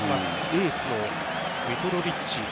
エースのミトロヴィッチ。